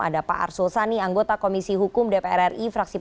ada pak arsul sani anggota komisi hukum dpr ri fraksi p tiga